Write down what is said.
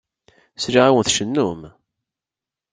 Sliɣ-awen tcennum.